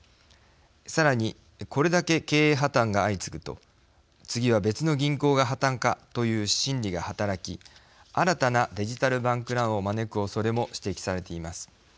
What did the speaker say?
さらに、これだけ経営破綻が相次ぐと次は別の銀行が破綻かという心理が働き新たなデジタル・バンク・ランを招くおそれも指摘されています。